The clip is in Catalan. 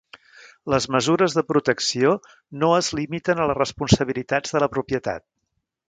Les mesures de protecció no es limiten a les responsabilitats de la propietat.